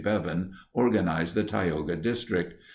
Bevan organized the Tioga District.